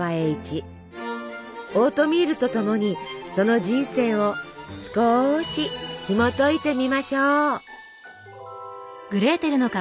オートミールとともにその人生を少しひもといてみましょう。